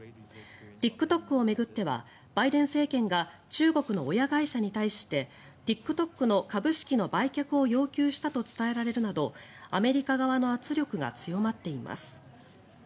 ＴｉｋＴｏｋを巡ってはバイデン政権が中国の親会社に対してＴｉｋＴｏｋの株式の売却を要求したと伝えられるなどアメリカ側の圧力が強まっています。